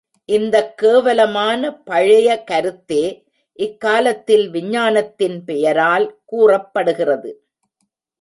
இந்தக் கேவலமான பழைய கருத்தே இக் காலத்தில் விஞ்ஞானத்தின் பெயரால் கூறப்படுகிறது.